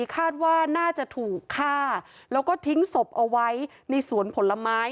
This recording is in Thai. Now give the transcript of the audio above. คาดว่าน่าจะถูกฆ่าแล้วก็ทิ้งศพเอาไว้ในสวนผลไม้